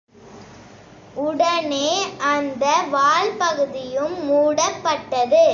உடனே அந்த வால்பகுதியும் மூடப்பட்டது.